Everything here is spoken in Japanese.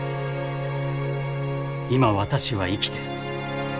今私は生きてる。